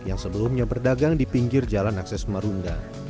yang sebelumnya berdagang di pinggir jalan akses marunda